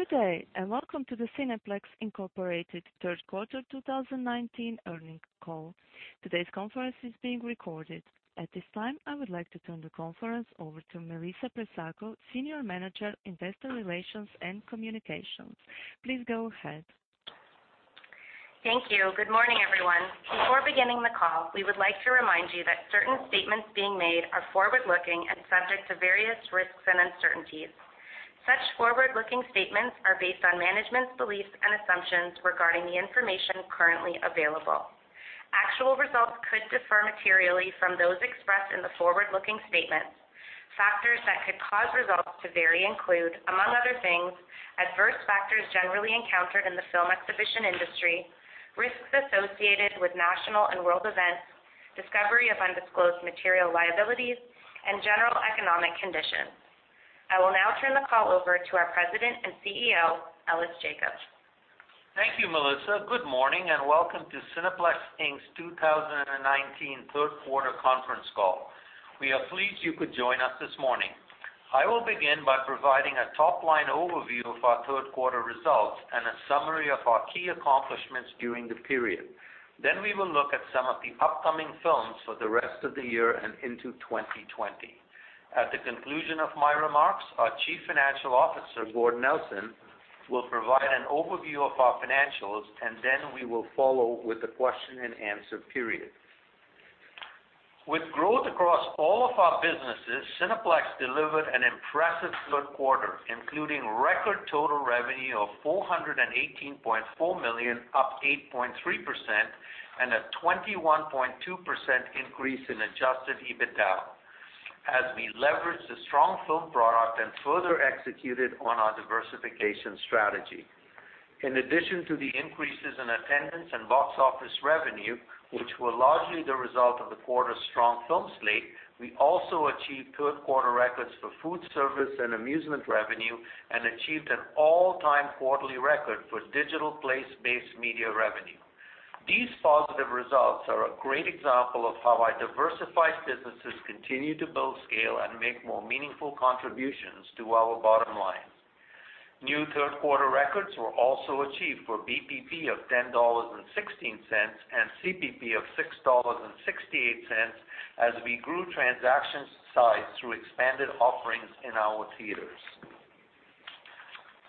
Good day, welcome to the Cineplex Incorporated third quarter 2019 earnings call. Today's conference is being recorded. At this time, I would like to turn the conference over to Melissa Pressacco, Senior Manager, Investor Relations and Communications. Please go ahead. Thank you. Good morning, everyone. Before beginning the call, we would like to remind you that certain statements being made are forward-looking and subject to various risks and uncertainties. Such forward-looking statements are based on management's beliefs and assumptions regarding the information currently available. Actual results could differ materially from those expressed in the forward-looking statements. Factors that could cause results to vary include, among other things, adverse factors generally encountered in the film exhibition industry, risks associated with national and world events, discovery of undisclosed material liabilities, and general economic conditions. I will now turn the call over to our President and CEO, Ellis Jacob. Thank you, Melissa. Good morning, and welcome to Cineplex Inc.'s 2019 third quarter conference call. We are pleased you could join us this morning. I will begin by providing a top-line overview of our third quarter results and a summary of our key accomplishments during the period. We will look at some of the upcoming films for the rest of the year and into 2020. At the conclusion of my remarks, our Chief Financial Officer, Gord Nelson, will provide an overview of our financials, and then we will follow with the question and answer period. With growth across all of our businesses, Cineplex delivered an impressive third quarter, including record total revenue of 418.4 million, up 8.3%, and a 21.2% increase in adjusted EBITDA as we leveraged the strong film product and further executed on our diversification strategy. In addition to the increases in attendance and box office revenue, which were largely the result of the quarter's strong film slate, we also achieved third-quarter records for food service and amusement revenue and achieved an all-time quarterly record for digital place-based media revenue. These positive results are a great example of how our diversified businesses continue to build scale and make more meaningful contributions to our bottom line. New third-quarter records were also achieved for BPP of 10.16 dollars and CPP of 6.68 dollars as we grew transaction size through expanded offerings in our theaters.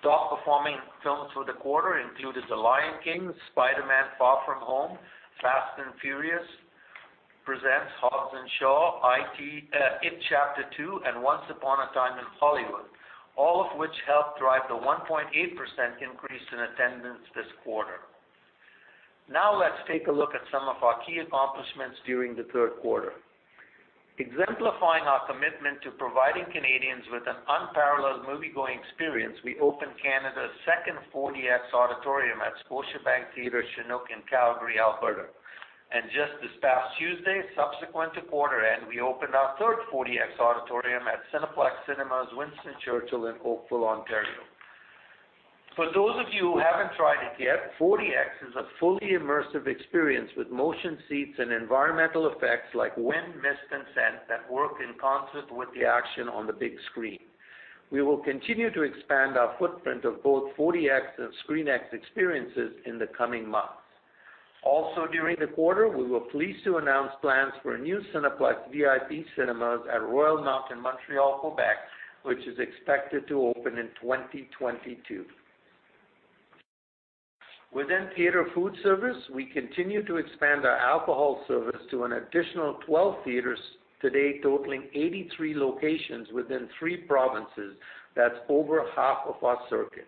Top-performing films for the quarter included "The Lion King," "Spider-Man: Far From Home," "Fast & Furious Presents: Hobbs & Shaw," "It Chapter Two," and "Once Upon a Time in Hollywood," all of which helped drive the 1.8% increase in attendance this quarter. Now, let's take a look at some of our key accomplishments during the third quarter. Exemplifying our commitment to providing Canadians with an unparalleled moviegoing experience, we opened Canada's second 4DX auditorium at Scotiabank Theatre Chinook in Calgary, Alberta. Just this past Tuesday, subsequent to quarter end, we opened our third 4DX auditorium at Cineplex Cinemas Winston Churchill in Oakville, Ontario. For those of you who haven't tried it yet, 4DX is a fully immersive experience with motion seats and environmental effects like wind, mist, and scent that work in concert with the action on the big screen. We will continue to expand our footprint of both 4DX and ScreenX experiences in the coming months. Also during the quarter, we were pleased to announce plans for a new Cineplex VIP Cinemas at Royalmount Montreal, Quebec, which is expected to open in 2022. Within theater food service, we continue to expand our alcohol service to an additional 12 theaters today, totaling 83 locations within three provinces. That's over half of our circuit.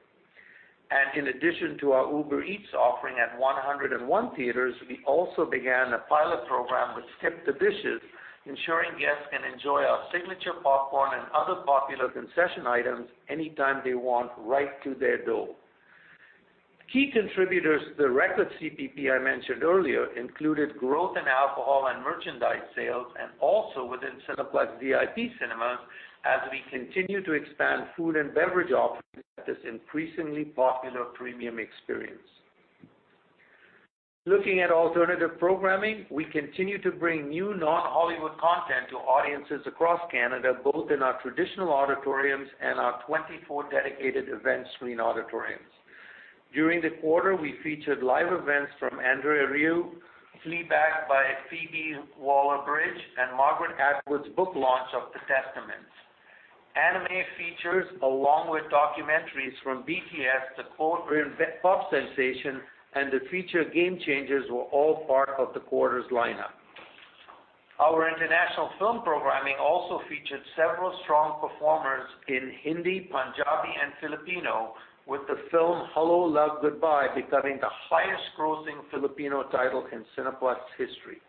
In addition to our Uber Eats offering at 101 theaters, we also began a pilot program with SkipTheDishes, ensuring guests can enjoy our signature popcorn and other popular concession items anytime they want right to their door. Key contributors to the record CPP I mentioned earlier included growth in alcohol and merchandise sales, and also within Cineplex VIP Cinemas as we continue to expand food and beverage offerings at this increasingly popular premium experience. Looking at alternative programming, we continue to bring new non-Hollywood content to audiences across Canada, both in our traditional auditoriums and our 24 dedicated event screen auditoriums. During the quarter, we featured live events from André Rieu, "Fleabag" by Phoebe Waller-Bridge, and Margaret Atwood's book launch of "The Testaments." Anime features, along with documentaries from BTS, the Korean pop sensation, and the feature "The Game Changers" were all part of the quarter's lineup. Our international film programming also featured several strong performers in Hindi, Punjabi, and Filipino, with the film "Hello, Love, Goodbye" becoming the highest-grossing Filipino title in Cineplex history.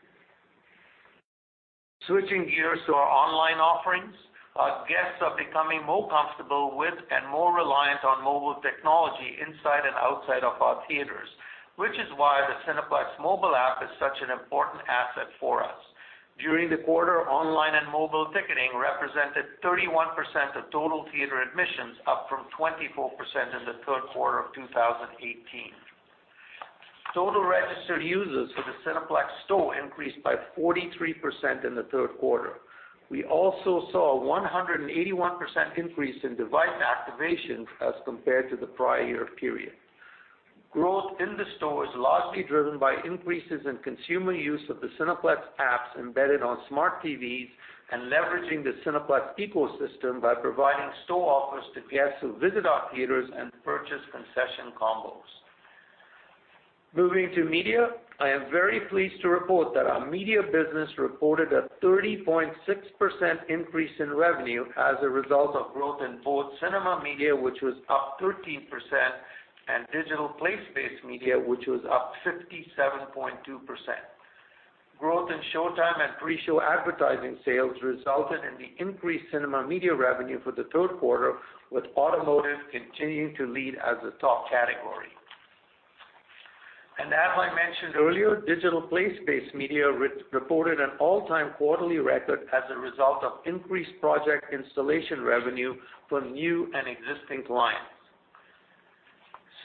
Switching gears to our online offerings, our guests are becoming more comfortable with and more reliant on mobile technology inside and outside of our theaters, which is why the Cineplex mobile app is such an important asset for us. During the quarter, online and mobile ticketing represented 31% of total theater admissions, up from 24% in the third quarter of 2018. Total registered users for the Cineplex Store increased by 43% in the third quarter. We also saw a 181% increase in device activations as compared to the prior year period. Growth in the store is largely driven by increases in consumer use of the Cineplex apps embedded on smart TVs, and leveraging the Cineplex ecosystem by providing store offers to guests who visit our theaters and purchase concession combos. Moving to media, I am very pleased to report that our media business reported a 30.6% increase in revenue as a result of growth in both cinema media, which was up 13%, and digital place-based media, which was up 57.2%. Growth in showtime and pre-show advertising sales resulted in the increased cinema media revenue for the third quarter, with automotive continuing to lead as the top category. As I mentioned earlier, digital place-based media reported an all-time quarterly record as a result of increased project installation revenue from new and existing clients.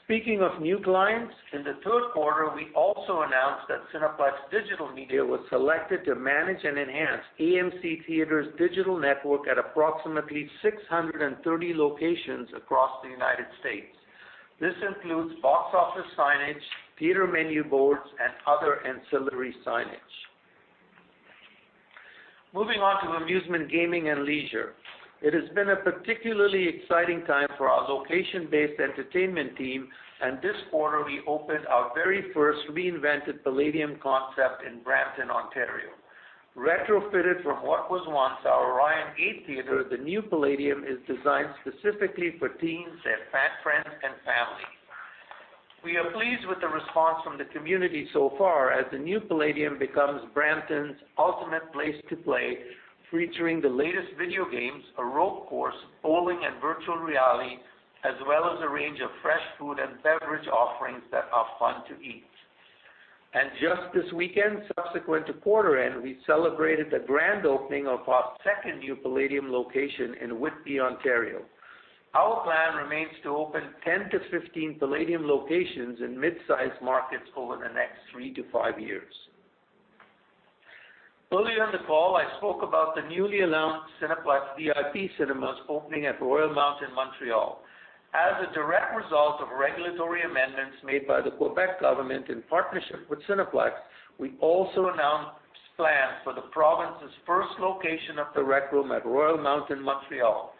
Speaking of new clients, in the third quarter, we also announced that Cineplex Digital Media was selected to manage and enhance AMC Theatres' digital network at approximately 630 locations across the United States. This includes box office signage, theater menu boards, and other ancillary signage. Moving on to amusement, gaming, and leisure. It has been a particularly exciting time for our location-based entertainment team, and this quarter we opened our very first reinvented Playdium concept in Brampton, Ontario. Retrofitted from what was once our Orion Gate Theatre, the new Playdium is designed specifically for teens, their friends, and family. We are pleased with the response from the community so far as the new Playdium becomes Brampton's ultimate place to play, featuring the latest video games, a rope course, bowling, and virtual reality, as well as a range of fresh food and beverage offerings that are fun to eat. Just this weekend, subsequent to quarter end, we celebrated the grand opening of our second new Playdium location in Whitby, Ontario. Our plan remains to open 10-15 Playdium locations in mid-size markets over the next 3-5 years. Earlier in the call, I spoke about the newly announced Cineplex VIP Cinemas opening at Royalmount, Montreal. As a direct result of regulatory amendments made by the Quebec government in partnership with Cineplex, we also announced plans for the province's first location of The Rec Room at Royalmount, Montreal.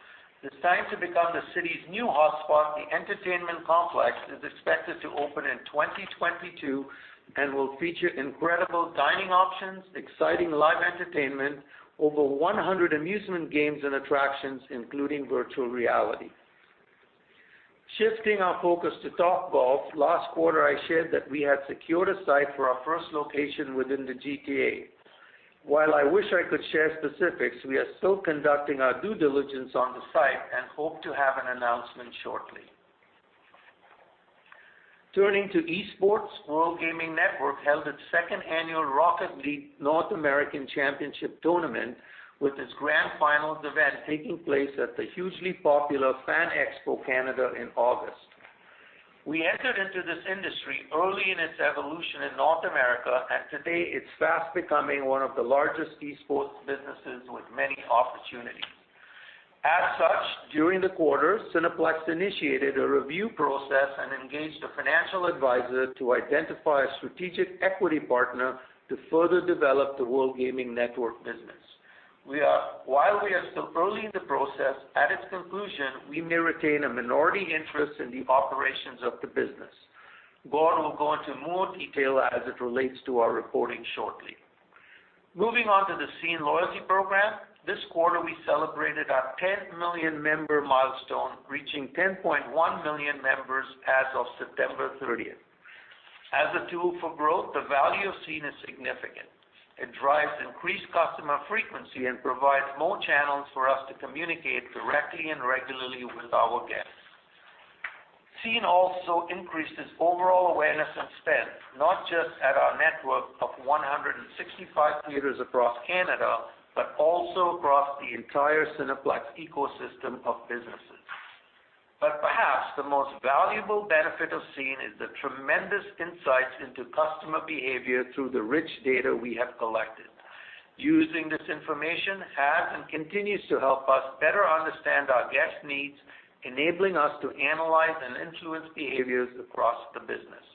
Designed to become the city's new hotspot, the entertainment complex is expected to open in 2022 and will feature incredible dining options, exciting live entertainment, over 100 amusement games and attractions, including virtual reality. Shifting our focus to Topgolf, last quarter, I shared that we had secured a site for our first location within the GTA. While I wish I could share specifics, we are still conducting our due diligence on the site and hope to have an announcement shortly. Turning to esports, World Gaming Network held its second annual Rocket League North American Championship tournament, with its grand finals event taking place at the hugely popular FAN EXPO Canada in August. Today it's fast becoming one of the largest esports businesses with many opportunities. As such, during the quarter, Cineplex initiated a review process and engaged a financial advisor to identify a strategic equity partner to further develop the World Gaming Network business. While we are still early in the process, at its conclusion, we may retain a minority interest in the operations of the business. Gord will go into more detail as it relates to our reporting shortly. Moving on to the SCENE loyalty program. This quarter, we celebrated our 10-million-member milestone, reaching 10.1 million members as of September 30th. As a tool for growth, the value of SCENE is significant. It drives increased customer frequency and provides more channels for us to communicate directly and regularly with our guests. SCENE also increases overall awareness and spend, not just at our network of 165 theaters across Canada, but also across the entire Cineplex ecosystem of businesses. Perhaps the most valuable benefit of SCENE is the tremendous insights into customer behavior through the rich data we have collected. Using this information has and continues to help us better understand our guests' needs, enabling us to analyze and influence behaviors across the business.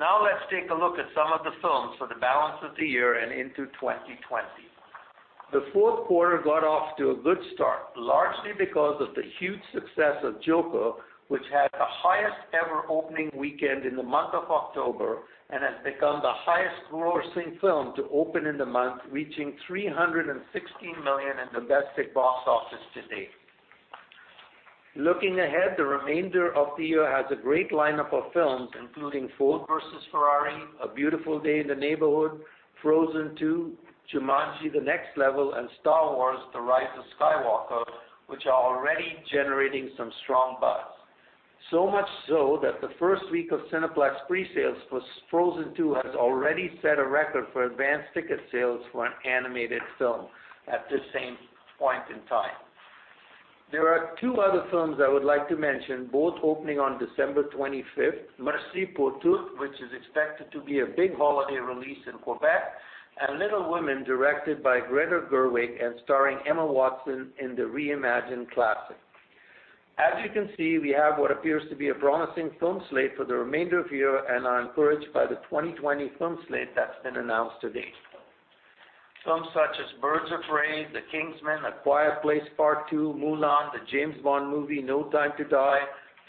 Let's take a look at some of the films for the balance of the year and into 2020. The fourth quarter got off to a good start, largely because of the huge success of "Joker," which had the highest-ever opening weekend in the month of October and has become the highest-grossing film to open in the month, reaching 316 million in domestic box office to date. Looking ahead, the remainder of the year has a great lineup of films, including "Ford v Ferrari," "A Beautiful Day in the Neighborhood," "Frozen 2," "Jumanji: The Next Level," and "Star Wars: The Rise of Skywalker," which are already generating some strong buzz. Much so that the first week of Cineplex presales for "Frozen 2" has already set a record for advanced ticket sales for an animated film at this same point in time. There are two other films I would like to mention, both opening on December 25th, "Merci pour tout," which is expected to be a big holiday release in Quebec, and "Little Women," directed by Greta Gerwig and starring Emma Watson in the reimagined classic. As you can see, we have what appears to be a promising film slate for the remainder of the year and are encouraged by the 2020 film slate that's been announced to date. Films such as "Birds of Prey," "The King's Man," "A Quiet Place Part II," "Mulan," the James Bond movie, "No Time To Die,"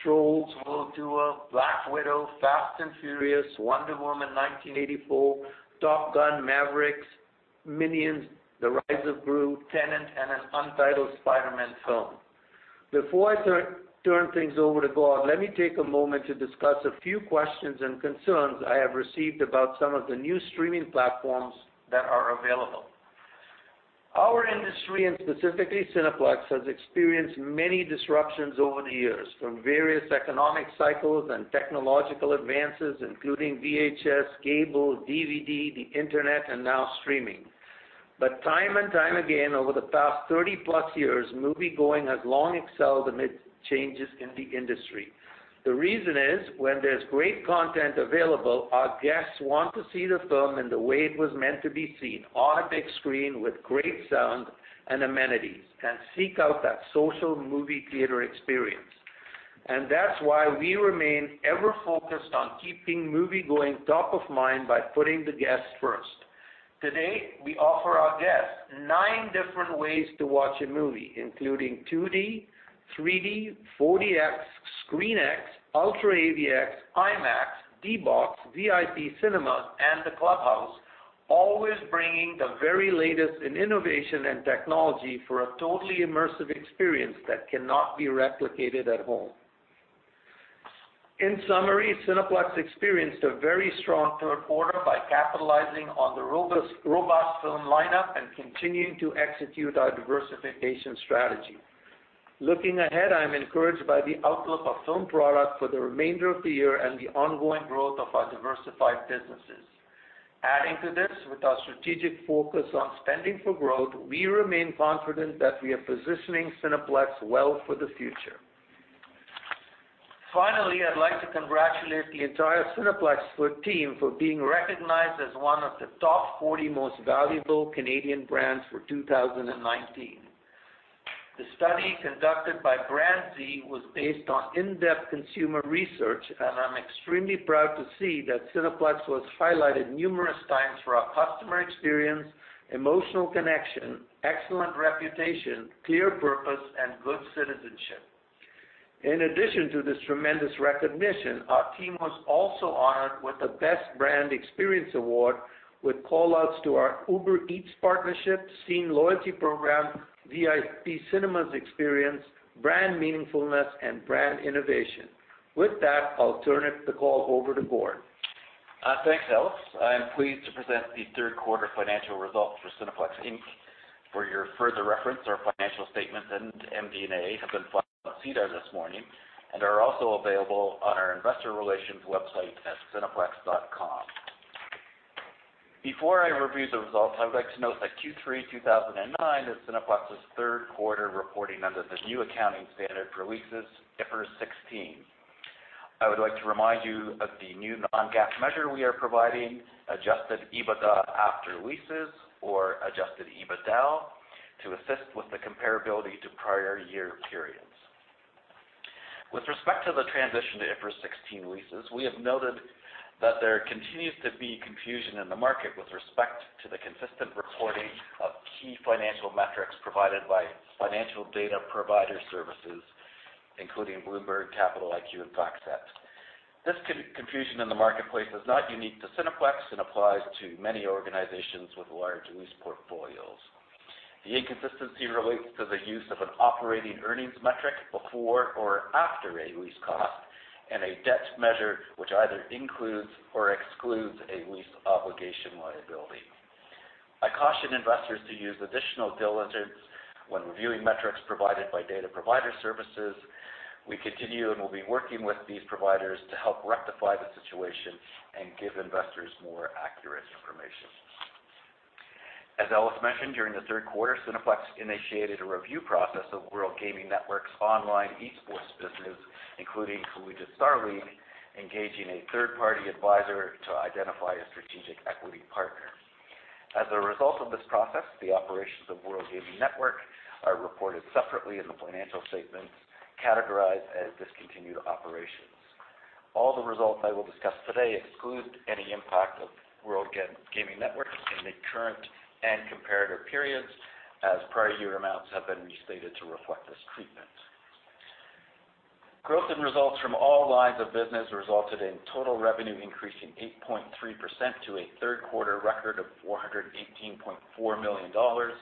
"Trolls World Tour," "Black Widow," "Fast & Furious," "Wonder Woman 1984," "Top Gun: Maverick," "Minions: The Rise of Gru," "Tenet," and an untitled Spider-Man film. Before I turn things over to Gord, let me take a moment to discuss a few questions and concerns I have received about some of the new streaming platforms that are available. Our industry, and specifically Cineplex, has experienced many disruptions over the years from various economic cycles and technological advances, including VHS, cable, DVD, the internet, and now streaming. Time and time again, over the past 30-plus years, moviegoing has long excelled amid changes in the industry. The reason is when there's great content available, our guests want to see the film in the way it was meant to be seen on a big screen with great sound and amenities and seek out that social movie theater experience. That's why we remain ever-focused on keeping moviegoing top of mind by putting the guests first. Today, we offer our guests nine different ways to watch a movie, including 2D, 3D, 4DX, ScreenX, UltraAVX, IMAX, D-BOX, VIP Cinemas, and the Clubhouse, always bringing the very latest in innovation and technology for a totally immersive experience that cannot be replicated at home. In summary, Cineplex experienced a very strong third quarter by capitalizing on the robust film lineup and continuing to execute our diversification strategy. Looking ahead, I'm encouraged by the outlook of film product for the remainder of the year and the ongoing growth of our diversified businesses. Adding to this, with our strategic focus on spending for growth, we remain confident that we are positioning Cineplex well for the future. Finally, I'd like to congratulate the entire Cineplex team for being recognized as one of the top 40 most valuable Canadian brands for 2019. The study conducted by BrandZ was based on in-depth consumer research, and I'm extremely proud to see that Cineplex was highlighted numerous times for our customer experience, emotional connection, excellent reputation, clear purpose, and good citizenship. In addition to this tremendous recognition, our team was also honored with the Best Brand Experience Award with call-outs to our Uber Eats partnership, SCENE loyalty program, VIP Cinemas experience, brand meaningfulness, and brand innovation. With that, I'll turn the call over to Gord. Thanks, Ellis. I am pleased to present the third quarter financial results for Cineplex Inc. For your further reference, our financial statements and MD&A have been filed on SEDAR this morning and are also available on our investor relations website at cineplex.com. Before I review the results, I would like to note that Q3 2009 is Cineplex's third quarter reporting under the new accounting standard for leases, IFRS 16. I would like to remind you of the new non-GAAP measure we are providing, adjusted EBITDA after leases or adjusted EBITDAL, to assist with the comparability to prior year periods. With respect to the transition to IFRS 16 leases, we have noted that there continues to be confusion in the market with respect to the consistent reporting of key financial metrics provided by financial data provider services, including Bloomberg, Capital IQ, and FactSet. This confusion in the marketplace is not unique to Cineplex and applies to many organizations with large lease portfolios. The inconsistency relates to the use of an operating earnings metric before or after a lease cost and a debt measure, which either includes or excludes a lease obligation liability. I caution investors to use additional diligence when reviewing metrics provided by data provider services. We continue and will be working with these providers to help rectify the situation and give investors more accurate information. As Ellis mentioned, during the third quarter, Cineplex initiated a review process of World Gaming Network's online esports business, including Collegiate StarLeague, engaging a third-party advisor to identify a strategic equity partner. As a result of this process, the operations of World Gaming Network are reported separately in the financial statements, categorized as discontinued operations. All the results I will discuss today exclude any impact of World Gaming Network in the current and comparative periods, as prior year amounts have been restated to reflect this treatment. Growth in results from all lines of business resulted in total revenue increasing 8.3% to a third-quarter record of 418.4 million dollars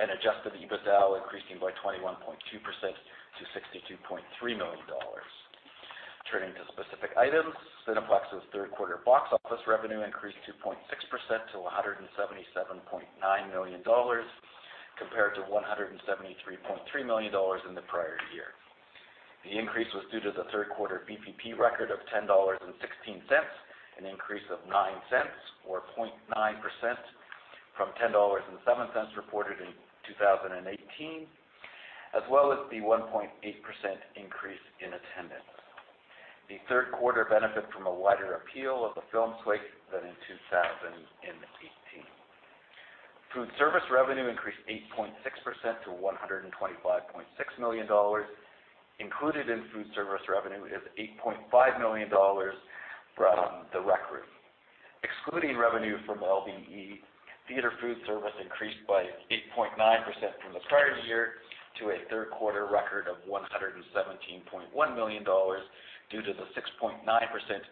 and adjusted EBITDAL increasing by 21.2% to 62.3 million dollars. Turning to specific items, Cineplex's third-quarter box office revenue increased 2.6% to 177.9 million dollars compared to 173.3 million dollars in the prior year. The increase was due to the third quarter BPP record of 10.16 dollars, an increase of 0.09 or 0.9% from 10.07 dollars reported in 2018, as well as the 1.8% increase in attendance. The third quarter benefit from a wider appeal of the film slate than in 2018. Food service revenue increased 8.6% to 125.6 million dollars. Included in food service revenue is 8.5 million dollars from The Rec Room. Excluding revenue from LBE, theater food service increased by 8.9% from the prior year to a third quarter record of 117.1 million dollars, due to the 6.9%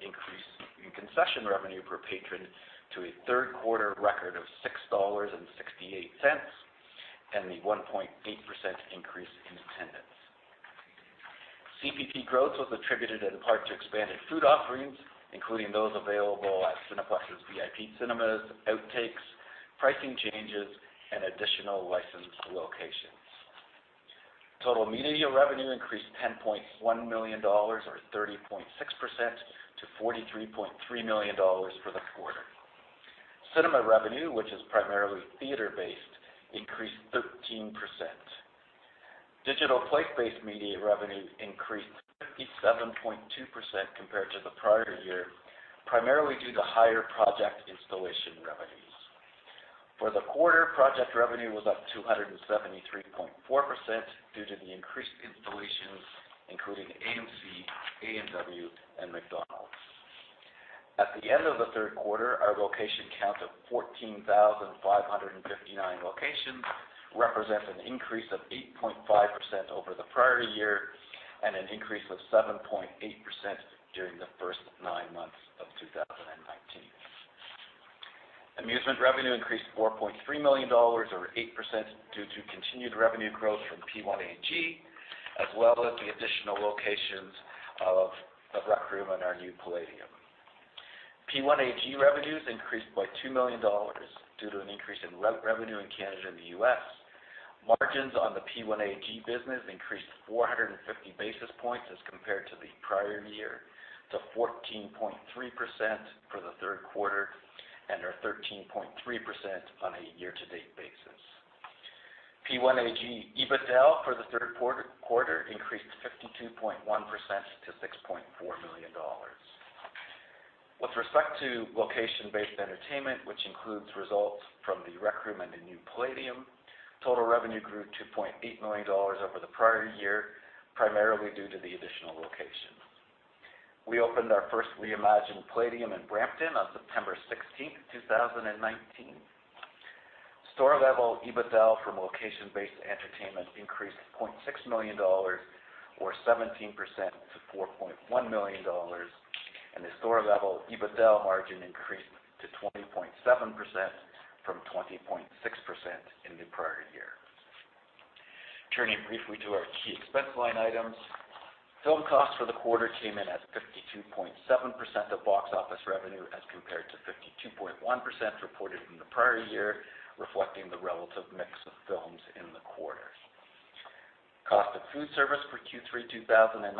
increase in concession revenue per patron to a third quarter record of 6.68 dollars, and the 1.8% increase in attendance. CPP growth was attributed in part to expanded food offerings, including those available at Cineplex's VIP Cinemas, Outtakes, pricing changes, and additional licensed locations. Total media revenue increased 10.1 million dollars or 30.6% to 43.3 million dollars for the quarter. Cinema revenue, which is primarily theater-based, increased 13%. Digital place-based media revenue increased 57.2% compared to the prior year, primarily due to higher project installation revenues. For the quarter, project revenue was up 273.4% due to the increased installations, including AMC, A&W, and McDonald's. At the end of the third quarter, our location count of 14,559 locations represents an increase of 8.5% over the prior year and an increase of 7.8% during the first nine months of 2019. Amusement revenue increased 4.3 million dollars or 8% due to continued revenue growth from P1AG, as well as the additional locations of The Rec Room and our new Playdium. P1AG revenues increased by 2 million dollars due to an increase in revenue in Canada and the U.S. Margins on the P1AG business increased 450 basis points as compared to the prior year, to 14.3% for the third quarter, and are 13.3% on a year-to-date basis. P1AG EBITDA for the third quarter increased 52.1% to 6.4 million dollars. With respect to location-based entertainment, which includes results from The Rec Room and the new Playdium, total revenue grew to 2.8 million dollars over the prior year, primarily due to the additional locations. We opened our first reimagined Playdium in Brampton on September 16th, 2019. Store-level EBITDA from location-based entertainment increased 0.6 million dollars or 17% to 4.1 million dollars. The store-level EBITDA margin increased to 20.7% from 20.6% in the prior year. Turning briefly to our key expense line items. Film costs for the quarter came in at 52.7% of box office revenue as compared to 52.1% reported in the prior year, reflecting the relative mix of films in the quarter. Cost of food service for Q3 2019,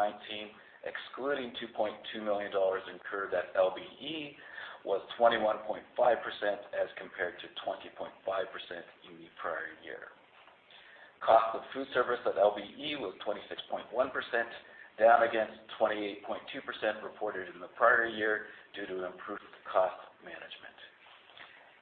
excluding 2.2 million dollars incurred at LBE, was 21.5% as compared to 20.5% in the prior year. Cost of food service at LBE was 26.1%, down against 28.2% reported in the prior year due to improved cost management.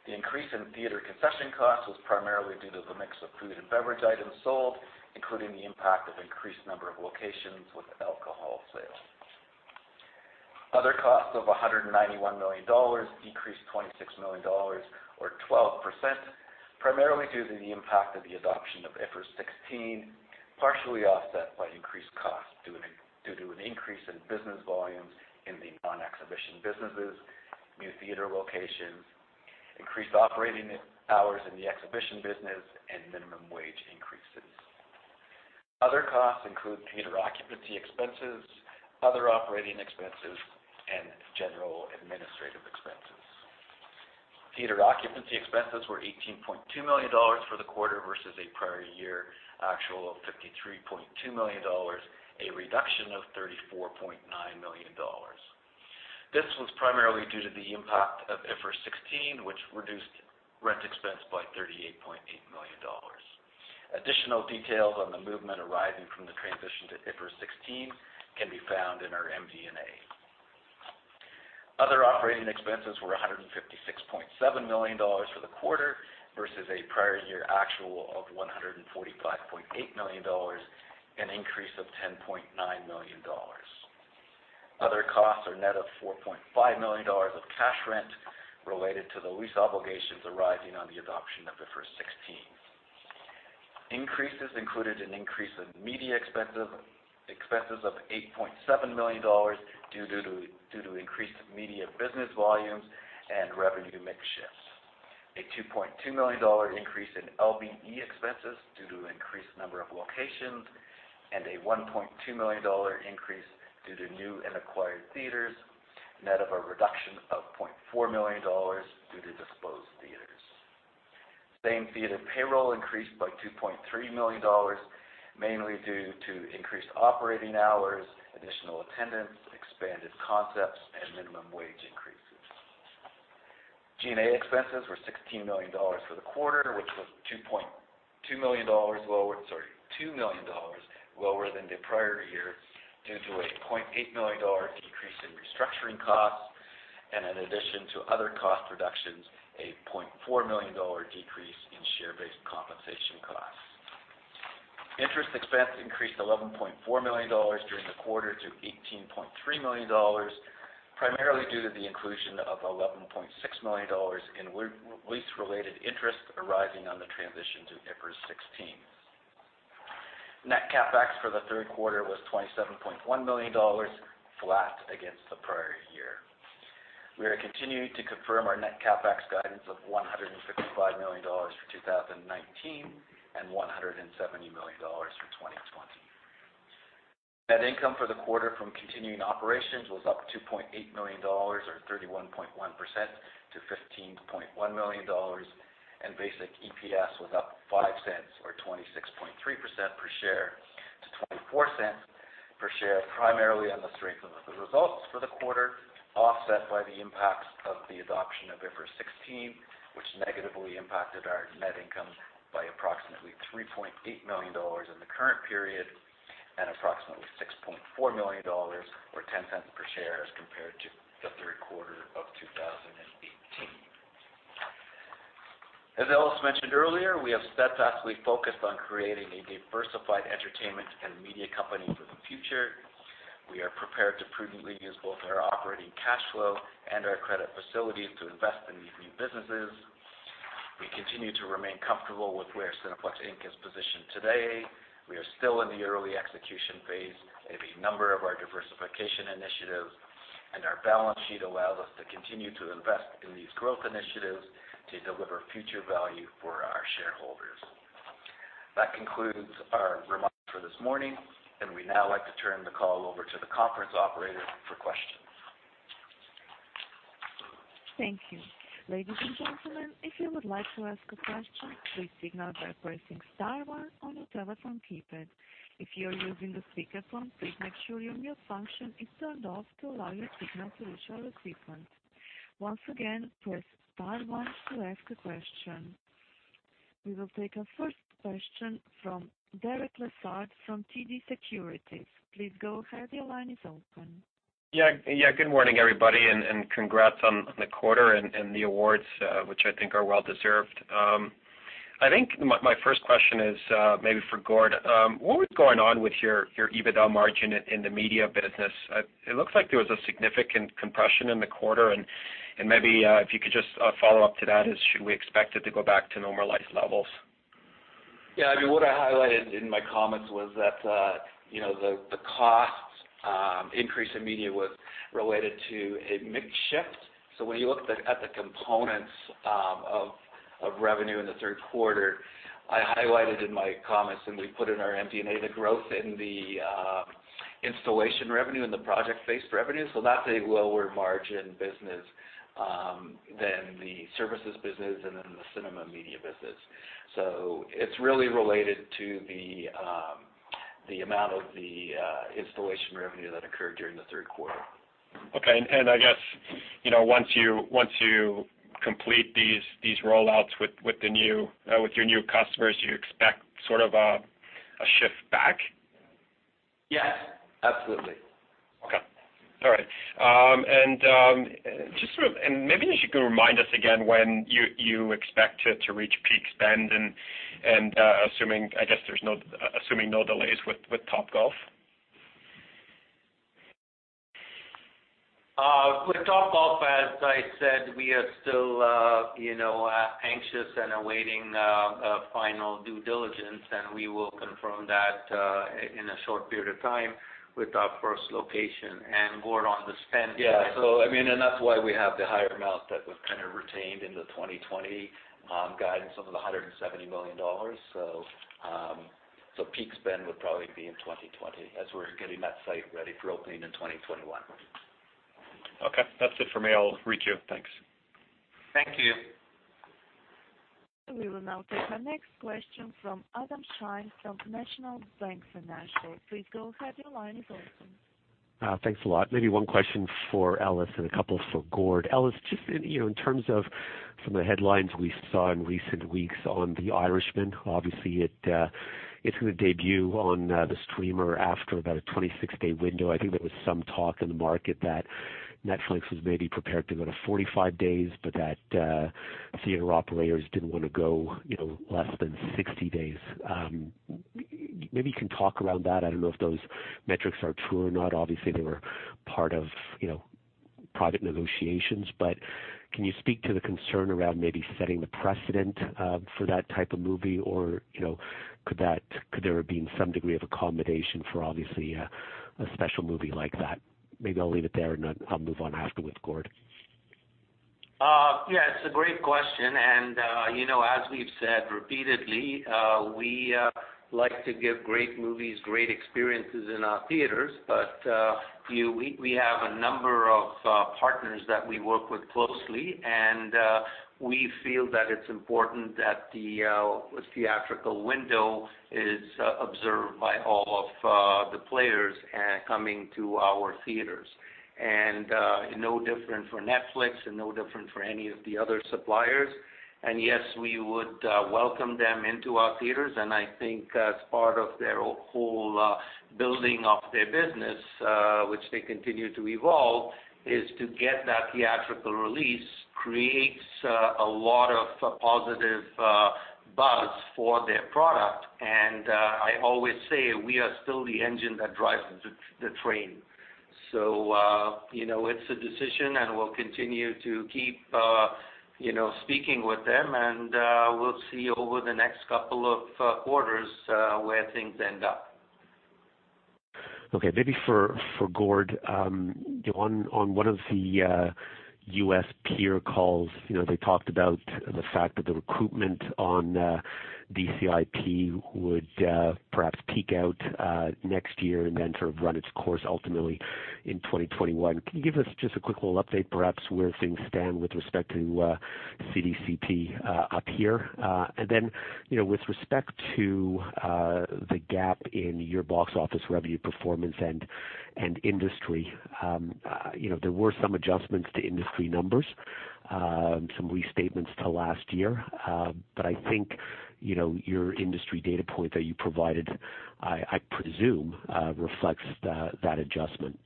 The increase in theater concession costs was primarily due to the mix of food and beverage items sold, including the impact of increased number of locations with alcohol sales. Other costs of 191 million dollars decreased 26 million dollars or 12%, primarily due to the impact of the adoption of IFRS 16, partially offset by increased costs due to an increase in business volumes in the non-exhibition businesses, new theater locations, increased operating hours in the exhibition business, and minimum wage increases. Other costs include theater occupancy expenses, other operating expenses, and general administrative expenses. Theater occupancy expenses were 18.2 million dollars for the quarter versus a prior year actual of 53.2 million dollars, a reduction of 34.9 million dollars. This was primarily due to the impact of IFRS 16, which reduced rent expense by 38.8 million dollars. Additional details on the movement arising from the transition to IFRS 16 can be found in our MD&A. Other operating expenses were 156.7 million dollars for the quarter versus a prior year actual of 145.8 million dollars, an increase of 10.9 million dollars. Other costs are net of 4.5 million dollars of cash rent related to the lease obligations arising on the adoption of IFRS 16. Increases included an increase in media expenses of 8.7 million dollars due to increased media business volumes and revenue mix shifts. A 2.2 million dollar increase in LBE expenses due to increased number of locations, and a 1.2 million dollar increase due to new and acquired theaters, net of a reduction of 0.4 million dollars due to disposed theaters. Same theater payroll increased by 2.3 million dollars, mainly due to increased operating hours, additional attendance, expanded concepts, and minimum wage increases. G&A expenses were 16 million dollars for the quarter, which was 2 million dollars lower than the prior year due to a 0.8 million dollar decrease in restructuring costs, and in addition to other cost reductions, a 0.4 million dollar decrease in share-based compensation costs. Interest expense increased 11.4 million dollars during the quarter to 18.3 million dollars, primarily due to the inclusion of 11.6 million dollars in lease-related interest arising on the transition to IFRS 16. Net CapEx for the third quarter was 27.1 million dollars, flat against the prior year. We are continuing to confirm our net CapEx guidance of 165 million dollars for 2019 and 170 million dollars for 2020. Net income for the quarter from continuing operations was up 2.8 million dollars or 31.1% to 15.1 million dollars. Basic EPS was up 0.05 or 26.3% per share to 0.24 per share, primarily on the strength of the results for the quarter, offset by the impacts of the adoption of IFRS 16, which negatively impacted our net income by approximately 3.8 million dollars in the current period, and approximately 6.4 million dollars or 0.10 per share as compared to the third quarter of 2018. As Ellis mentioned earlier, we have steadfastly focused on creating a diversified entertainment and media company for the future. We are prepared to prudently use both our operating cash flow and our credit facilities to invest in these new businesses. We continue to remain comfortable with where Cineplex Inc. is positioned today. We are still in the early execution phase in a number of our diversification initiatives, and our balance sheet allows us to continue to invest in these growth initiatives to deliver future value for our shareholders. That concludes our remarks for this morning, and we'd now like to turn the call over to the conference operator for questions. Thank you. Ladies and gentlemen, if you would like to ask a question, please signal by pressing star one on your telephone keypad. If you are using the speakerphone, please make sure your mute function is turned off to allow your signal to reach our recipient. Once again, press star one to ask a question. We will take our first question from Derek Lessard from TD Securities. Please go ahead, your line is open. Yeah. Good morning, everybody, and congrats on the quarter and the awards, which I think are well-deserved. I think my first question is maybe for Gord. What was going on with your EBITDA margin in the media business? It looks like there was a significant compression in the quarter, and maybe if you could just follow up to that, should we expect it to go back to normalized levels? Yeah, what I highlighted in my comments was that the cost increase in media was related to a mix shift. When you look at the components of revenue in the third quarter, I highlighted in my comments, and we put in our MD&A, the growth in the installation revenue and the project-based revenue. That's a lower margin business than the services business and than the cinema media business. It's really related to the amount of the installation revenue that occurred during the third quarter. Okay, I guess once you complete these roll-outs with your new customers, do you expect sort of a shift back? Yes, absolutely. Okay. All right. Maybe you could remind us again when you expect to reach peak spend, and assuming, I guess assuming no delays with Topgolf? With Topgolf, as I said, we are still anxious and awaiting a final due diligence, and we will confirm that in a short period of time with our first location. Yeah. That's why we have the higher amount that was kind of retained in the 2020 guidance of 170 million dollars. Peak spend would probably be in 2020 as we're getting that site ready for opening in 2021. Okay, that's it for me. I'll re-queue. Thanks. Thank you. We will now take our next question from Adam Shine from National Bank Financial. Please go ahead, your line is open. Thanks a lot. Maybe one question for Ellis and a couple for Gord. Ellis, just in terms of some of the headlines we saw in recent weeks on "The Irishman," obviously it's going to debut on the streamer after about a 26-day window. I think there was some talk in the market that Netflix was maybe prepared to go to 45 days, but that theater operators didn't want to go less than 60 days. Maybe you can talk around that. I don't know if those metrics are true or not. Obviously, they were part of private negotiations. Can you speak to the concern around maybe setting the precedent for that type of movie, or could there have been some degree of accommodation for obviously a special movie like that? Maybe I'll leave it there, and I'll move on after with Gord. Yeah, it's a great question. As we've said repeatedly. We like to give great movies great experiences in our theaters, but we have a number of partners that we work with closely, and we feel that it's important that the theatrical window is observed by all of the players coming to our theaters. No different for Netflix, and no different for any of the other suppliers. Yes, we would welcome them into our theaters, and I think as part of their whole building of their business which they continue to evolve, is to get that theatrical release creates a lot of positive buzz for their product. I always say we are still the engine that drives the train. It's a decision, and we'll continue to keep speaking with them, and we'll see over the next couple of quarters where things end up. Okay. Maybe for Gord, on one of the U.S. peer calls, they talked about the fact that the recruitment on DCIP would perhaps peak out next year and then sort of run its course ultimately in 2021. Can you give us just a quick little update, perhaps, where things stand with respect to CDCP up here? With respect to the gap in your box office revenue performance and industry. There were some adjustments to industry numbers, some restatements to last year. Your industry data point that you provided, I presume, reflects that adjustment.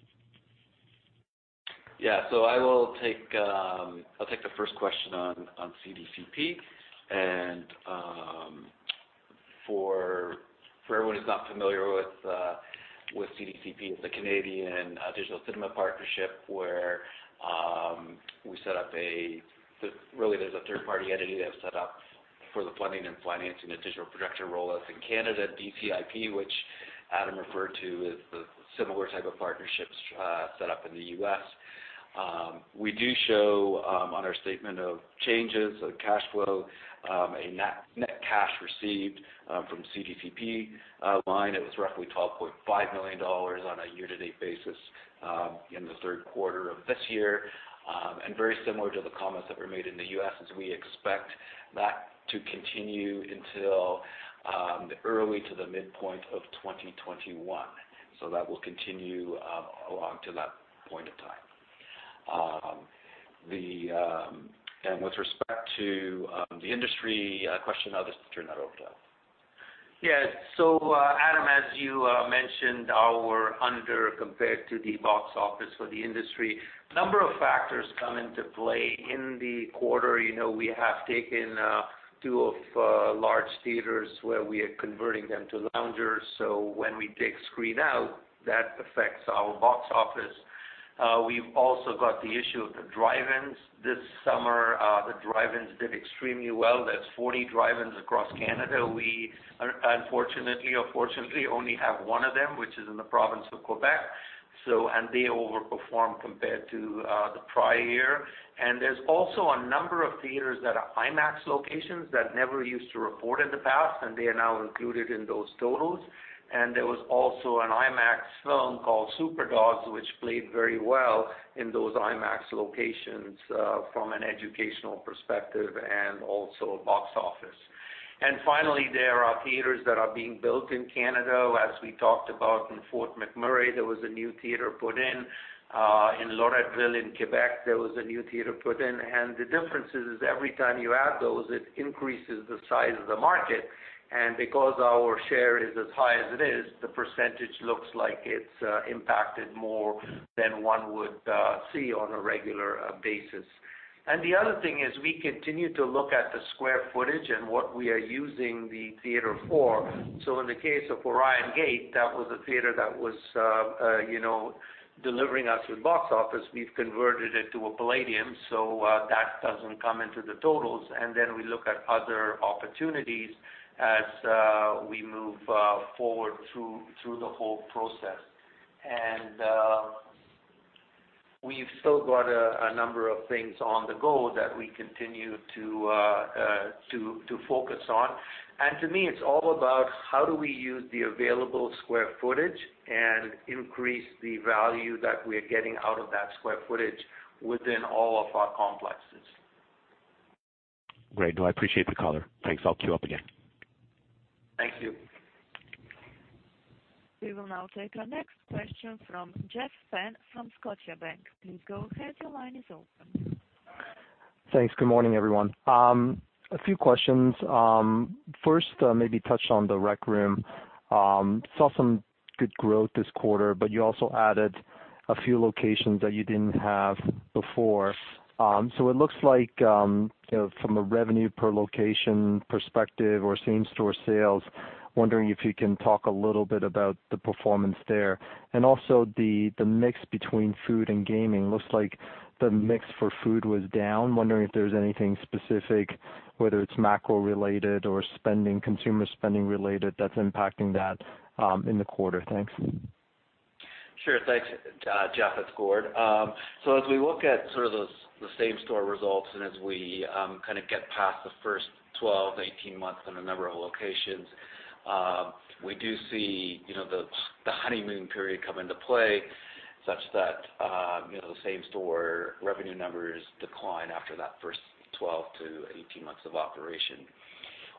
I'll take the first question on CDCP. For everyone who's not familiar with CDCP, it's the Canadian Digital Cinema Partnership where we set up a third-party entity that was set up for the planning and financing of digital projector roll-outs in Canada. DCIP, which Adam referred to, is the similar type of partnerships set up in the U.S. We do show on our statement of changes of cash flow, a net cash received from CDCP line. It was roughly 12.5 million dollars on a year-to-date basis in the third quarter of this year. Very similar to the comments that were made in the U.S. is we expect that to continue until the early to the midpoint of 2021. That will continue along to that point of time. With respect to the industry question, I'll just turn that over to Adam. Yeah. Adam, as you mentioned, our under compared to the box office for the industry, a number of factors come into play in the quarter. We have taken two of large theaters where we are converting them to loungers. When we take screen out, that affects our box office. We've also got the issue of the drive-ins this summer. The drive-ins did extremely well. That's 40 drive-ins across Canada. We unfortunately or fortunately only have one of them, which is in the province of Quebec. They overperformed compared to the prior year. There's also a number of theaters that are IMAX locations that never used to report in the past, and they are now included in those totals. There was also an IMAX film called "Superpower Dogs" which played very well in those IMAX locations from an educational perspective and also box office. Finally, there are theaters that are being built in Canada. As we talked about in Fort McMurray, there was a new theater put in. In Loretteville, in Quebec, there was a new theater put in. The difference is every time you add those, it increases the size of the market. Because our share is as high as it is, the percentage looks like it's impacted more than one would see on a regular basis. The other thing is we continue to look at the square footage and what we are using the theater for. In the case of Orion Gate, that was a theater that was delivering us with box office. We've converted it to a Playdium, so that doesn't come into the totals. We look at other opportunities as we move forward through the whole process. We've still got a number of things on the go that we continue to focus on. To me, it's all about how do we use the available square footage and increase the value that we're getting out of that square footage within all of our complexes. Great. No, I appreciate the color. Thanks. I'll queue up again. Thank you. We will now take our next question from Jeff Fan from Scotiabank. Please go ahead, your line is open. Thanks. Good morning, everyone. A few questions. Maybe touch on The Rec Room. Saw some good growth this quarter, but you also added a few locations that you didn't have before. It looks like from a revenue per location perspective or same store sales, wondering if you can talk a little bit about the performance there. Also the mix between food and gaming. Looks like the mix for food was down. Wondering if there's anything specific, whether it's macro related or consumer spending related that's impacting that in the quarter. Thanks. Sure. Thanks, Jeff Fan. It's Gord. As we look at sort of the same store results and as we kind of get past the first 12 to 18 months in a number of locations, we do see the honeymoon period come into play such that the same store revenue numbers decline after that first 12 to 18 months of operation.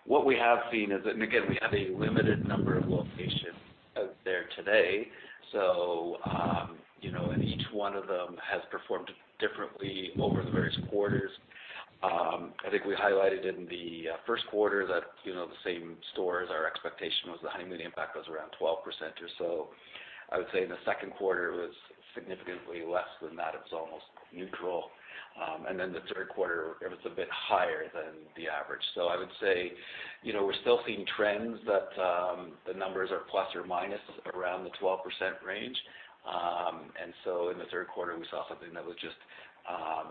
What we have seen is that, and again, we have a limited number of locations out there today. And each one of them has performed differently over the various quarters. I think we highlighted in the first quarter that the same stores, our expectation was the honeymoon impact was around 12% or so. I would say in the second quarter it was significantly less than that. It was almost neutral. Then the third quarter, it was a bit higher than the average. I would say, we're still seeing trends that the numbers are plus or minus around the 12% range. In the third quarter, we saw something that was just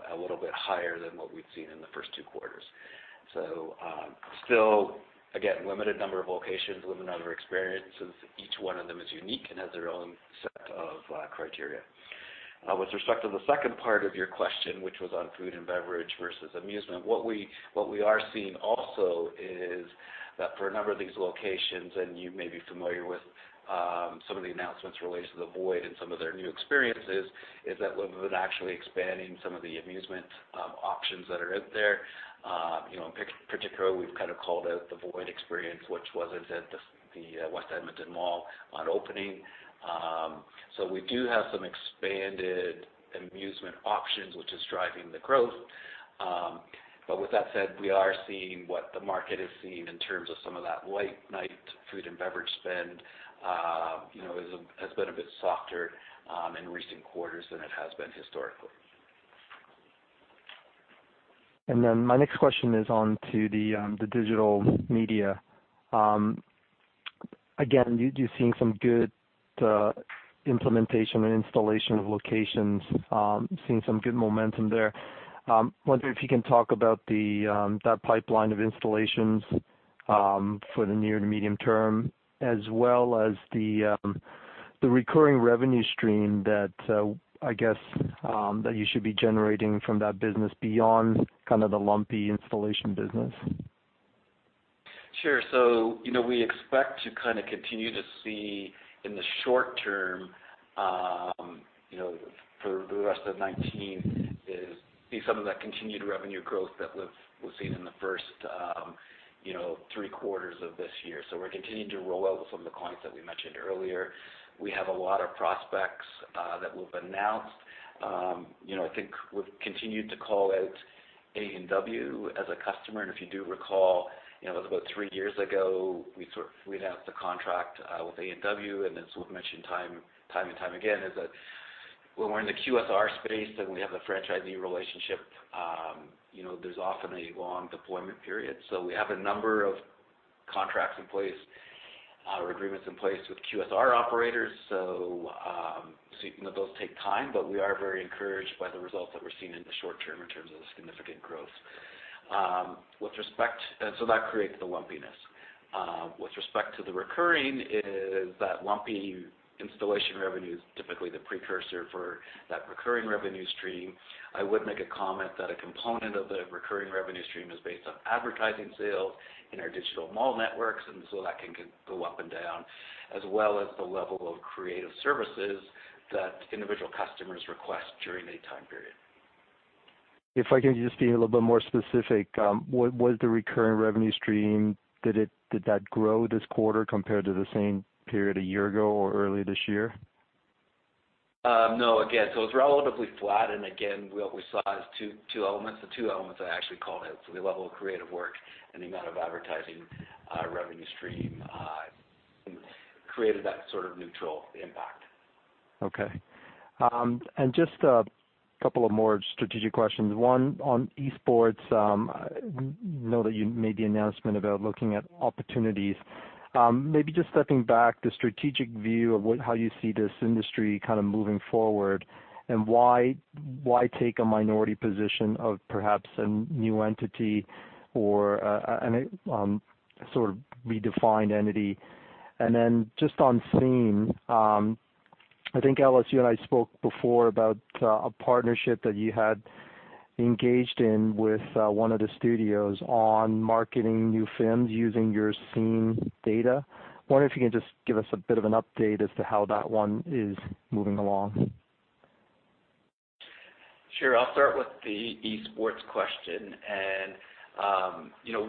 a little bit higher than what we'd seen in the first two quarters. Still, again, limited number of locations, limited number of experiences. Each one of them is unique and has their own set of criteria. With respect to the second part of your question, which was on food and beverage versus amusement, what we are seeing also is that for a number of these locations, and you may be familiar with some of the announcements related to The VOID and some of their new experiences, is that we've been actually expanding some of the amusement options that are out there. In particular, we've kind of called out The VOID experience, which was at the West Edmonton Mall on opening. We do have some expanded amusement options, which is driving the growth. With that said, we are seeing what the market is seeing in terms of some of that late-night food and beverage spend, has been a bit softer in recent quarters than it has been historically. My next question is on to the digital media. Again, you're seeing some good implementation and installation of locations, seeing some good momentum there. I wonder if you can talk about that pipeline of installations for the near to medium term, as well as the recurring revenue stream that, I guess, you should be generating from that business beyond kind of the lumpy installation business. Sure. We expect to kind of continue to see in the short term, for the rest of 2019, is see some of that continued revenue growth that was seen in the first three quarters of this year. We're continuing to roll out with some of the clients that we mentioned earlier. We have a lot of prospects that we've announced. I think we've continued to call out A&W as a customer, and if you do recall, it was about three years ago, we announced the contract with A&W, and as we've mentioned time and time again, is that when we're in the QSR space and we have a franchisee relationship, there's often a long deployment period. Those take time, but we are very encouraged by the results that we're seeing in the short term in terms of the significant growth. That creates the lumpiness. With respect to the recurring is that lumpy installation revenue is typically the precursor for that recurring revenue stream. I would make a comment that a component of the recurring revenue stream is based on advertising sales in our digital mall networks, that can go up and down, as well as the level of creative services that individual customers request during a time period. If I can just be a little bit more specific, what was the recurring revenue stream? Did that grow this quarter compared to the same period a year ago or earlier this year? No. Again, it's relatively flat, and again, what we saw is two elements. The two elements I actually called out. The level of creative work and the amount of advertising revenue stream created that sort of neutral impact. Okay. Just a couple of more strategic questions. One on esports. I know that you made the announcement about looking at opportunities. Maybe just stepping back, the strategic view of how you see this industry kind of moving forward, and why take a minority position of perhaps a new entity or a sort of redefined entity? Then just on SCENE, I think, Ellis, you and I spoke before about a partnership that you had engaged in with one of the studios on marketing new films using your SCENE data. I wonder if you can just give us a bit of an update as to how that one is moving along. Sure. I'll start with the esports question.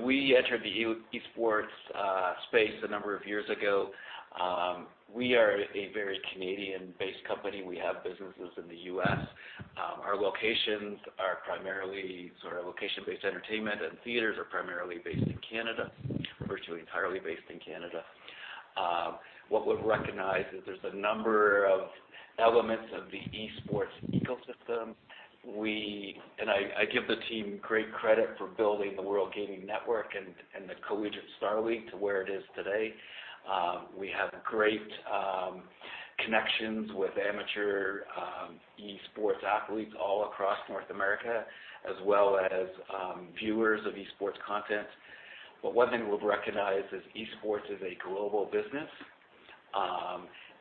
We entered the esports space a number of years ago. We are a very Canadian-based company. We have businesses in the U.S. Our locations are primarily sort of location-based entertainment, and theaters are primarily based in Canada, virtually entirely based in Canada. What we've recognized is there's a number of elements of the esports ecosystem. I give the team great credit for building the World Gaming Network and the Collegiate StarLeague to where it is today. We have great connections with amateur esports athletes all across North America, as well as viewers of esports content. One thing we've recognized is esports is a global business.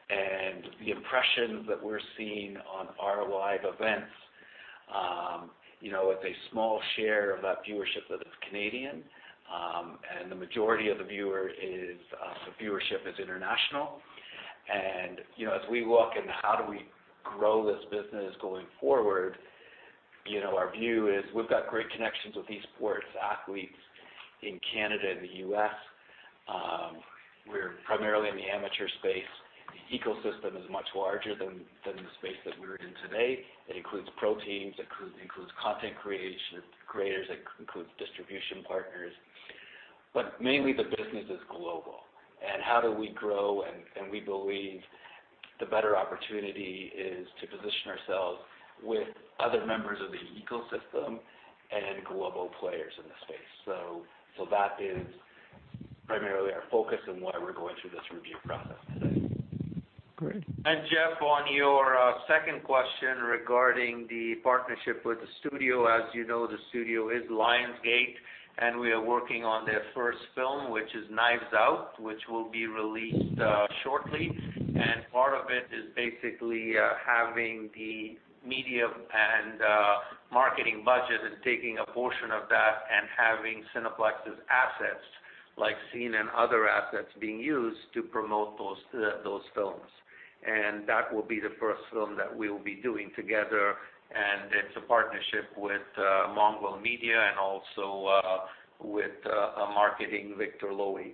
The impressions that we're seeing on our live events, with a small share of that viewership that is Canadian, and the majority of the viewership is international. As we look at how do we grow this business going forward, our view is we've got great connections with esports athletes in Canada and the U.S. We're primarily in the amateur space. The ecosystem is much larger than the space that we're in today. It includes pro teams, it includes content creators, it includes distribution partners. But mainly the business is global. How do we grow? And we believe the better opportunity is to position ourselves with other members of the ecosystem and global players in the space. That is primarily our focus and why we're going through this review process today. Great. Jeff, on your second question regarding the partnership with the studio, as you know, the studio is Lionsgate, we are working on their first film, which is "Knives Out" which will be released shortly. Part of it is basically having the media and marketing budget and taking a portion of that and having Cineplex's assets like SCENE and other assets being used to promote those films. That will be the first film that we will be doing together, and it's a partnership with Mongrel Media and also with marketing Victor Loewy.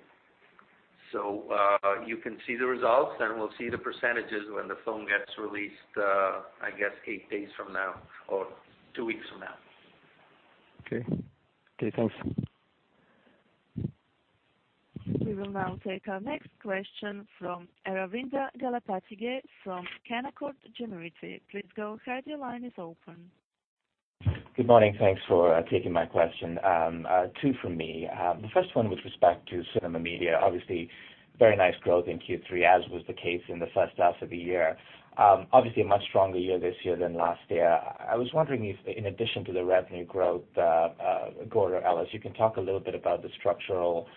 You can see the results, and we'll see the percentages when the film gets released, I guess eight days from now or two weeks from now. Okay. Thanks. We will now take our next question from Aravinda Galappatthige from Canaccord Genuity. Please go ahead, your line is open. Good morning. Thanks for taking my question. Two from me. First one with respect to Cinema Media, obviously very nice growth in Q3, as was the case in the first half of the year. A much stronger year this year than last year. I was wondering if, in addition to the revenue growth, Gord or Ellis, you can talk a little bit about the structural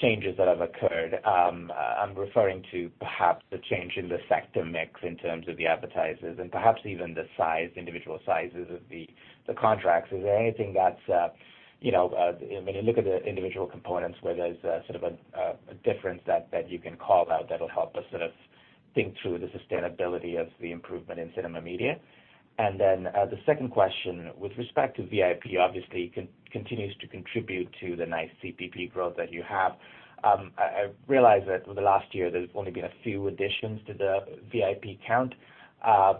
changes that have occurred. I'm referring to perhaps the change in the sector mix in terms of the advertisers and perhaps even the individual sizes of the contracts. Is there anything that's when you look at the individual components, where there's sort of a difference that you can call out that'll help us sort of think through the sustainability of the improvement in Cinema Media? The second question, with respect to VIP, obviously continues to contribute to the nice CPP growth that you have. I realize that over the last year, there's only been a few additions to the VIP count.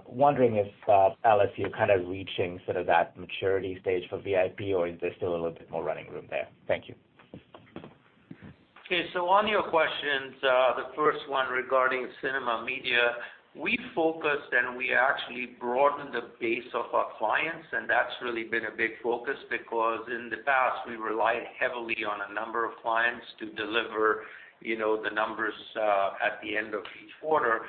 Wondering if, Ellis, you're kind of reaching sort of that maturity stage for VIP, or is there still a little bit more running room there? Thank you. On your questions, the first one regarding Cinema Media, we focused, and we actually broadened the base of our clients, and that's really been a big focus because in the past, we relied heavily on a number of clients to deliver the numbers at the end of each quarter.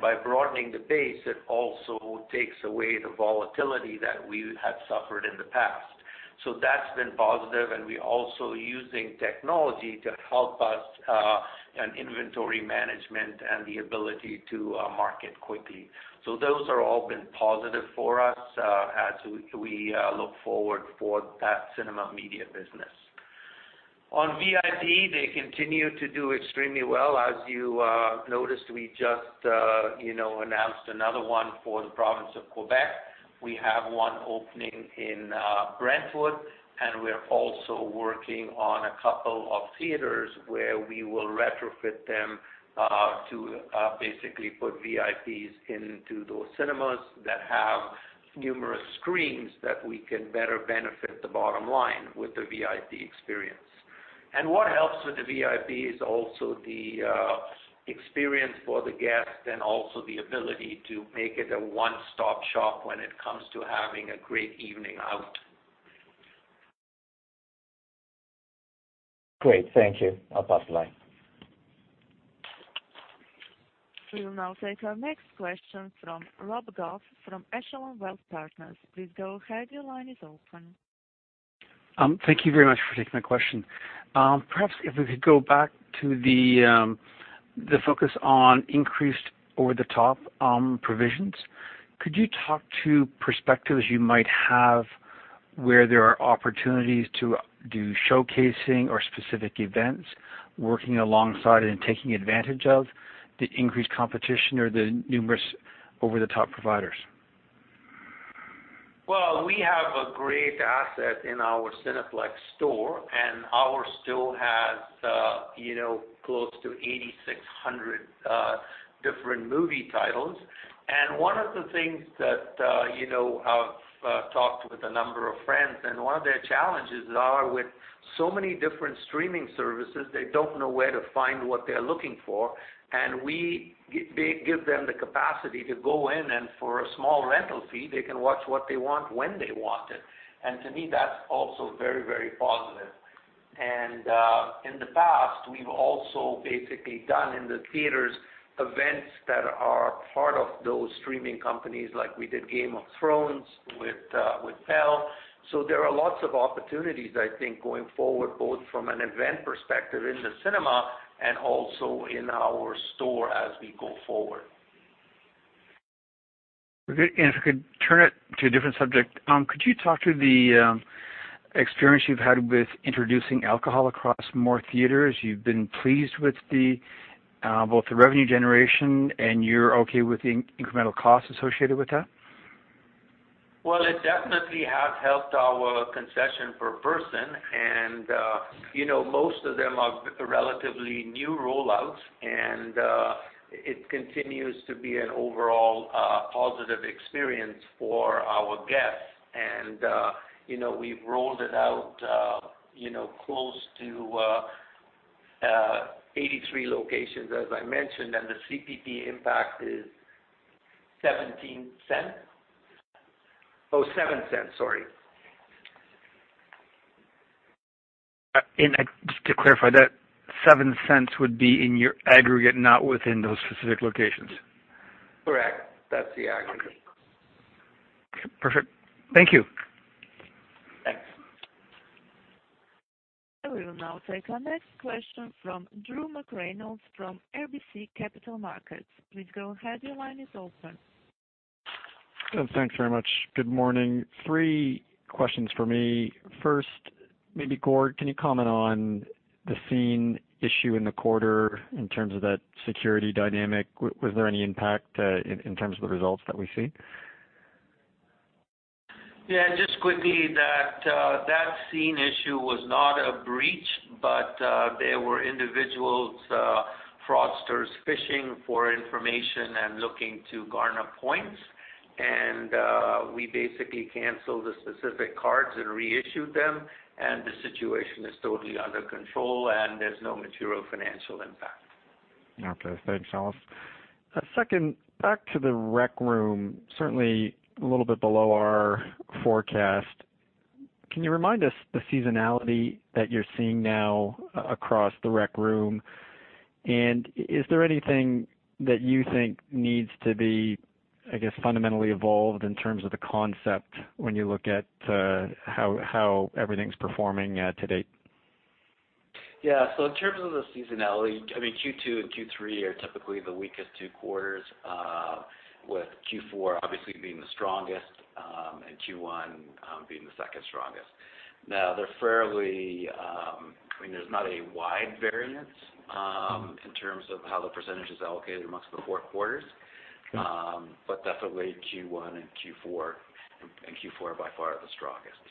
By broadening the base, it also takes away the volatility that we have suffered in the past. That's been positive, and we're also using technology to help us in inventory management and the ability to market quickly. Those are all been positive for us as we look forward for that Cinema Media business. On VIP, they continue to do extremely well. As you noticed, we just announced another one for the province of Quebec. We have one opening in Brentwood, and we're also working on a couple of theaters where we will retrofit them to basically put VIPs into those cinemas that have numerous screens that we can better benefit the bottom line with the VIP experience. What helps with the VIP is also the experience for the guest and also the ability to make it a one-stop shop when it comes to having a great evening out. Great. Thank you. I'll pop the line. We will now take our next question from Rob Goff from Echelon Wealth Partners. Please go ahead, your line is open. Thank you very much for taking my question. Perhaps if we could go back to the focus on increased over-the-top providers. Could you talk to perspectives you might have where there are opportunities to do showcasing or specific events working alongside and taking advantage of the increased competition or the numerous over-the-top providers? Well, we have a great asset in our Cineplex Store, and our store has close to 8,600 different movie titles. One of the things that I've talked with a number of friends, and one of their challenges are with so many different streaming services, they don't know where to find what they're looking for. We give them the capacity to go in, and for a small rental fee, they can watch what they want when they want it. To me, that's also very positive. In the past, we've also basically done in the theaters events that are part of those streaming companies, like we did Game of Thrones with Bell. There are lots of opportunities, I think, going forward, both from an event perspective in the cinema and also in our Store as we go forward. Okay. If we could turn it to a different subject, could you talk to the experience you've had with introducing alcohol across more theaters? You've been pleased with both the revenue generation, and you're okay with the incremental costs associated with that? Well, it definitely has helped our concession per person. Most of them are relatively new rollouts, and it continues to be an overall positive experience for our guests. We've rolled it out close to 83 locations, as I mentioned, and the CPP impact is 0.17. Oh, 0.07, sorry. Just to clarify, that 0.07 would be in your aggregate, not within those specific locations. Correct. That's the aggregate. Perfect. Thank you. Thanks. I will now take our next question from Drew McReynolds from RBC Capital Markets. Please go ahead, your line is open. Thanks very much. Good morning. Three questions for me. Maybe Gord, can you comment on the SCENE issue in the quarter in terms of that security dynamic? Was there any impact in terms of the results that we see? Just quickly, that SCENE issue was not a breach, but there were individuals, fraudsters, phishing for information and looking to garner points. We basically canceled the specific cards and reissued them, and the situation is totally under control, and there's no material financial impact. Okay, thanks, Ellis. Back to The Rec Room, certainly a little bit below our forecast. Can you remind us the seasonality that you're seeing now across The Rec Room? Is there anything that you think needs to be, I guess, fundamentally evolved in terms of the concept when you look at how everything's performing to date? In terms of the seasonality, Q2 and Q3 are typically the weakest 2 quarters, with Q4 obviously being the strongest, and Q1 being the second strongest. There's not a wide variance in terms of how the percentage is allocated amongst the 4 quarters. Definitely Q1 and Q4, and Q4 by far the strongest.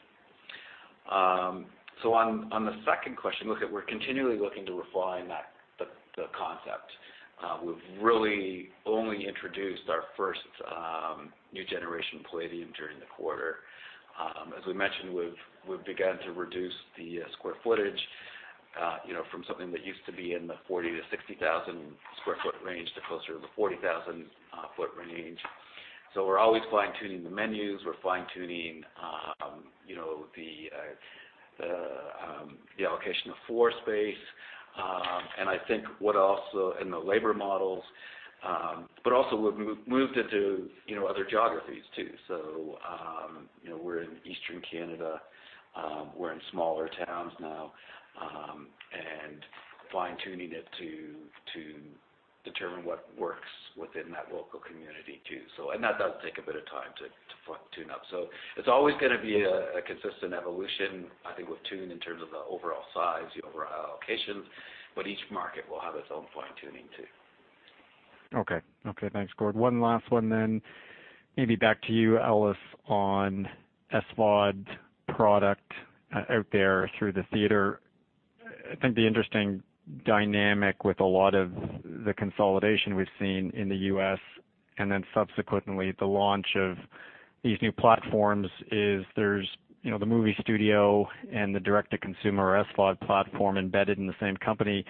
On the second question, look, we're continually looking to refine the concept. We've really only introduced our first new generation Playdium during the quarter. As we mentioned, we've begun to reduce the square footage from something that used to be in the 40,000 to 60,000 square foot range to closer to the 40,000-foot range. We're always fine-tuning the menus. We're fine-tuning the allocation of floor space. I think the labor models, also we've moved into other geographies, too. We're in Eastern Canada, we're in smaller towns now, and fine-tuning it to determine what works within that local community, too. That does take a bit of time to fine-tune up. It's always going to be a consistent evolution, I think we'll tune in terms of the overall size, the overall allocation, but each market will have its own fine-tuning, too. Okay. Thanks, Gord. One last one. Maybe back to you, Ellis, on SVOD product out there through the theater. I think the interesting dynamic with a lot of the consolidation we've seen in the U.S., and then subsequently the launch of these new platforms is there's the movie studio and the direct-to-consumer SVOD platform embedded in the same company.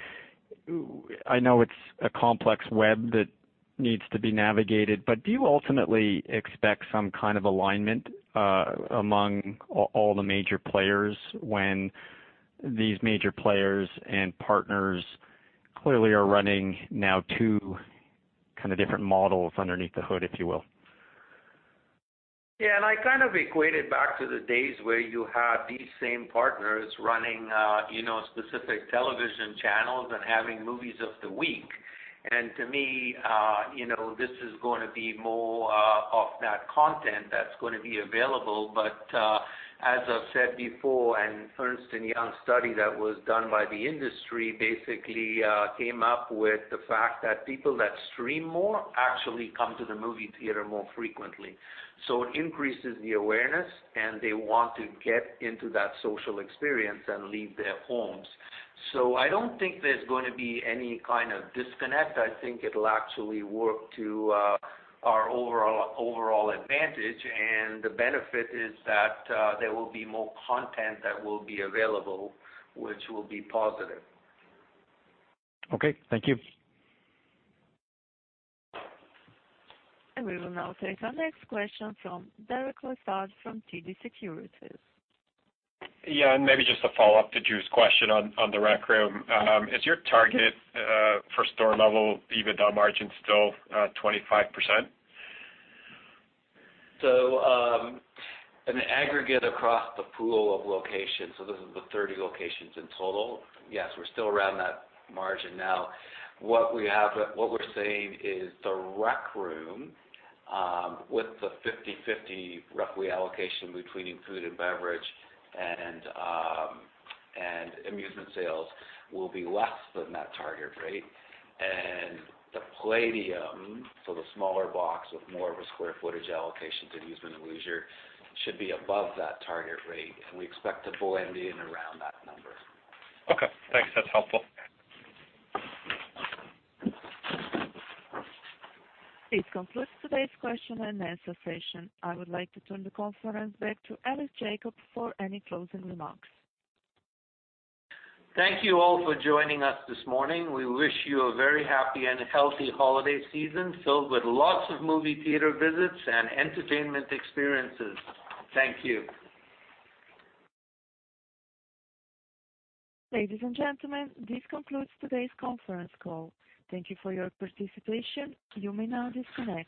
I know it's a complex web that needs to be navigated, do you ultimately expect some kind of alignment among all the major players when these major players and partners clearly are running now two kind of different models underneath the hood, if you will? Yeah, I kind of equate it back to the days where you had these same partners running specific television channels and having movies of the week. To me, this is going to be more of that content that's going to be available. As I've said before, an Ernst & Young study that was done by the industry basically came up with the fact that people that stream more actually come to the movie theater more frequently. It increases the awareness, and they want to get into that social experience and leave their homes. I don't think there's going to be any kind of disconnect. I think it'll actually work to our overall advantage, and the benefit is that there will be more content that will be available, which will be positive. Okay. Thank you. We will now take our next question from Derek Lessard from TD Securities. Yeah, maybe just a follow-up to Drew's question on The Rec Room. Is your target for store level EBITDA margin still 25%? An aggregate across the pool of locations, this is the 30 locations in total. Yes, we're still around that margin now. What we're saying is the Rec Room, with the 50/50 roughly allocation between food and beverage and amusement sales will be less than that target rate. The Playdium, the smaller box with more of a square footage allocation to amusement and leisure, should be above that target rate, and we expect to blend in around that number. Okay, thanks. That's helpful. This concludes today's question and answer session. I would like to turn the conference back to Ellis Jacob for any closing remarks. Thank you all for joining us this morning. We wish you a very happy and healthy holiday season filled with lots of movie theater visits and entertainment experiences. Thank you. Ladies and gentlemen, this concludes today's conference call. Thank you for your participation. You may now disconnect.